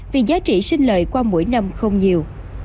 vì giá trị sinh lời qua mỗi năm không nhiều